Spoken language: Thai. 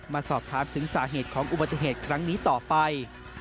มาสอบถามถึงสาเหตุของอุบัติเหตุครั้งนี้ต่อไป